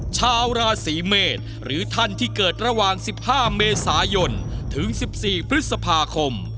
ชาวราศีเมษหรือท่านที่เกิดระหว่าง๑๕เมษายนถึง๑๔พฤษภาคม